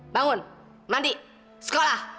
bangun mandi sekolah